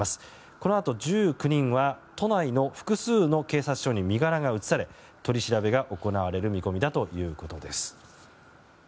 このあと１９人は都内の複数の警察署に身柄が移され、取り調べが行われる見込みだということです。